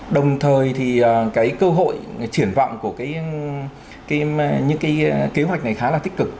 đồng thời thì cái cơ hội triển vọng của những cái kế hoạch này khá là tích cực